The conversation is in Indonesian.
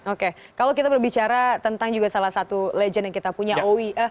oke kalau kita berbicara tentang juga salah satu legend yang kita punya owi